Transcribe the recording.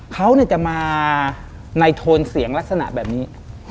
เขาจะมาในโทนเสียงลักษณะแบบนี้